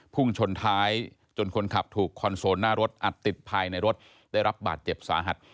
พุ่งชนท้ายจนคนขับถูกคอนโซลหน้ารถอัดติดภายในรถได้รับบาดเจ็บสาหัส